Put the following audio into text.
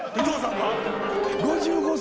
５５歳。